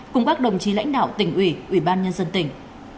cùng các đồng chí lãnh đạo tỉnh ủy ủy ban nhân dân tỉnh